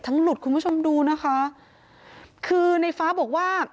หลุดคุณผู้ชมดูนะคะคือในฟ้าบอกว่า